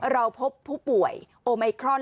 เราพบผู้ป่วยโอไมครอน